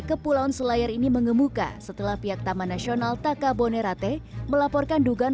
kepulauan selayar ini mengemuka setelah pihak taman nasional taka bonerate melaporkan dugaan